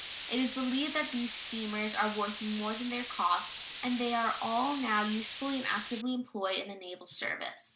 It is believed that these steamers are worth more than their cost, and they are all now usefully and actively employed in the naval service.